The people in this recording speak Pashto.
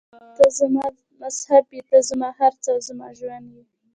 ته زما مذهب یې، ته زما هر څه او زما ژوند یې.